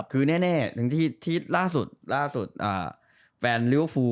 คือแน่ถึงที่